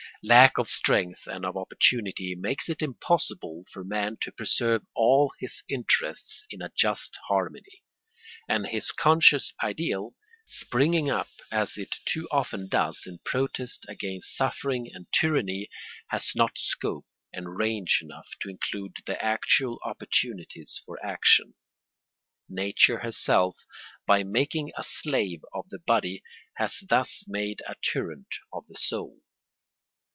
Lack of strength and of opportunity makes it impossible for man to preserve all his interests in a just harmony; and his conscious ideal, springing up as it too often does in protest against suffering and tyranny, has not scope and range enough to include the actual opportunities for action. Nature herself, by making a slave of the body, has thus made a tyrant of the soul.